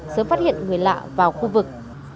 sớm phát hiện người lạ vào khu vực